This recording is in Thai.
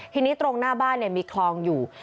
ทีนี้ตรงหน้าบ้านมีคลองอยู่